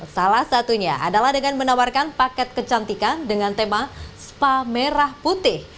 salah satunya adalah dengan menawarkan paket kecantikan dengan tema spa merah putih